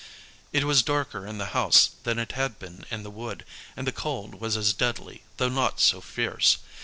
It was darker in the house than it had been in the wood, and the cold was as deadly, though not so fierce.